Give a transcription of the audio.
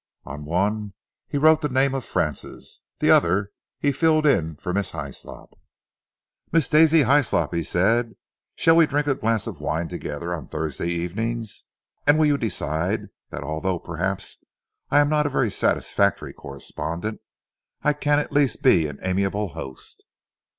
On one he wrote the name of Francis, the other he filled in for Miss Hyslop. "Miss Daisy Hyslop," he said, "shall we drink a glass of wine together on Thursday evening, and will you decide that although, perhaps, I am not a very satisfactory correspondent, I can at least be an amiable host?"